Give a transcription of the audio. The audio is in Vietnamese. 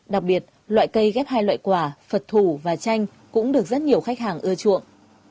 đặc biệt loại cây ghép hai loại quả phật thủ và tranh cũng được rất nhiều khách hàng ưa chuộng